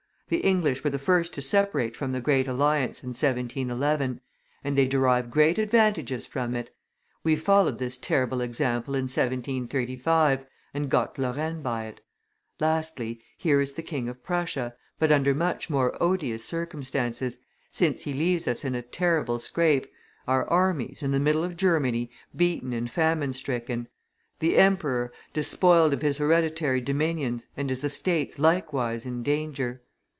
The English were the first to separate from the great alliance in 1711, and they derive great advantages from it; we followed this terrible example in 1735, and got Lorraine by it; lastly, here is the King of Prussia, but under much more odious circumstances, since he leaves us in a terrible scrape, our armies, in the middle of Germany, beaten and famine stricken; the emperor, despoiled of his hereditary dominions and his estates likewise in danger.